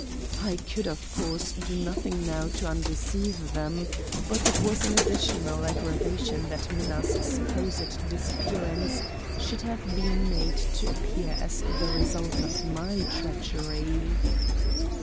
I could, of course, do nothing now to undeceive them; but it was an additional aggravation that Minna's supposed disappearance should have been made to appear as the result of my treachery.